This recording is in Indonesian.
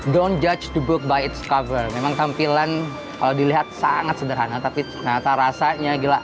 jangan menilai buku dengan penutupannya memang tampilan kalau dilihat sangat sederhana tapi rasanya gila